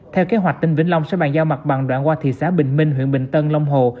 theo kế hoạch tỉnh vĩnh long sẽ bàn giao mặt bằng đoạn qua thị xã bình minh huyện bình tân long hồ